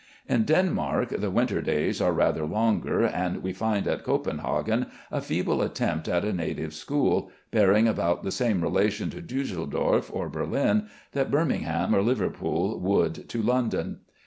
In Denmark the winter days are rather longer, and we find at Copenhagen a feeble attempt at a native school, bearing about the same relation to Dusseldorf or Berlin, that Birmingham or Liverpool would to London.